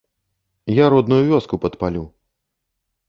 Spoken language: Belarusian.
Я родную вёску падпалю!